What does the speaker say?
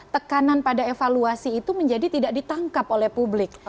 tekanan pada evaluasi itu menjadi tidak ditangkap oleh publik